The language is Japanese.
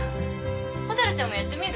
蛍ちゃんもやってみる？